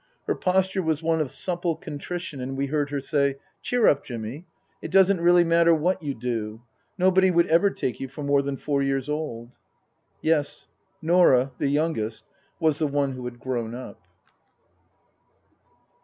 Her posture was one of supple contrition, and we heard her say :" Cheer up, Jimmy. It doesn't really matter what you do. Nobody would ever take you for more than four years old." Yes. Norah, the youngest, was the one who had grown up.